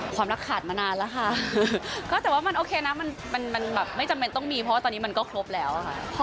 ความรักขาดมานานแล้วค่ะก็แต่ว่ามันโอเคนะมันแบบไม่จำเป็นต้องมีเพราะว่าตอนนี้มันก็ครบแล้วค่ะ